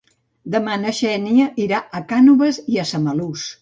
Demà na Xènia irà a Cànoves i Samalús.